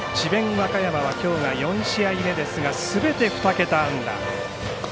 和歌山は、きょうが４試合目ですがすべて２桁安打。